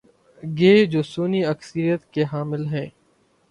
گے جو سنی اکثریت کے حامل ہیں؟